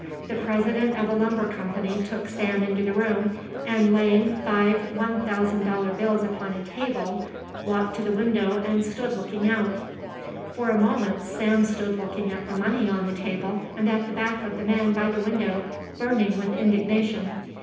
The president of a lumber company took Sam into the room, and, laying five one thousand dollar bills upon a table, walked to the window and stood looking out. For a moment Sam stood looking at the money on the table and at the back of the man by the window, burning with indignation.